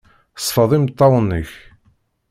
Sfeḍ imeṭṭawen-nnek.